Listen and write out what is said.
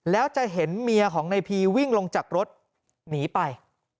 แล้วจะเห็นเมียของในพีวิ่งลงจากรถหนีไป